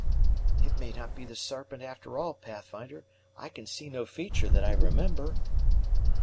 "It may not be the Serpent after all, Pathfinder; I can see no feature that I remember."